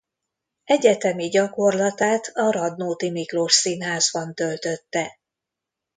Egyetemi gyakorlatát a Radnóti Miklós Színházban töltötte.